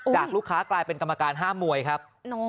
ลูกค้ากลายเป็นกรรมการห้ามมวยครับ